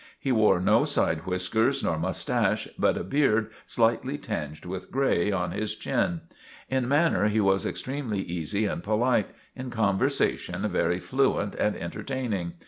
He wore no side whiskers nor moustache but a beard slightly tinged with gray, on his chin. In manner he was extremely easy and polite; in conversation very fluent and entertaining.